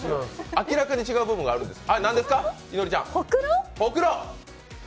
明らかに違う部分があるんです。